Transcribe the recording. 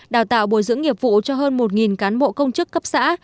đào tạo bồi dưỡng nghiệp vụ cho hơn một cán bộ công chức cấp xã